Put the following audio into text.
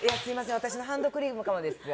私のハンドクリームかもです。